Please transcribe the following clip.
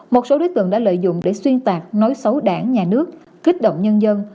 một số đối tượng đã lợi dụng để xuyên tạc nói xấu đảng nhà nước kích động nhân dân